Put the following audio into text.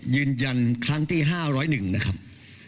ยืนยันครั้งที่๕๐๑นะครับ